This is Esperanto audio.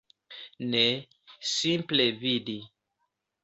Ne, simple vidi.